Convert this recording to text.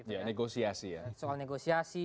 ya negosiasi ya soal negosiasi